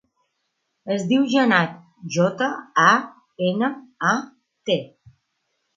Es diu Janat: jota, a, ena, a, te.